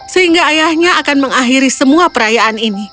sehingga ayahnya akan mengakhiri semua perayaan ini